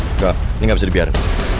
enggak ini gak bisa dibiarin